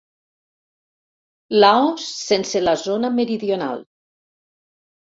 Laos sense la zona meridional.